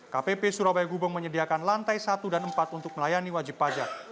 kpp surabaya gubeng menyediakan lantai satu dan empat untuk melayani wajib pajak